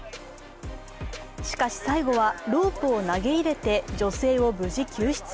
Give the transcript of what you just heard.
しかし、最後はロープを投げ入れて女性を無事、救出。